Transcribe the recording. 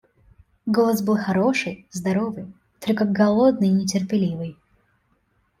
Голос был хороший, здоровый, только голодный и нетерпеливый.